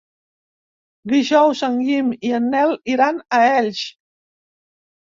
Dijous en Guim i en Nel iran a Elx.